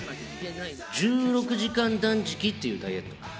１６時間断食っていうダイエット。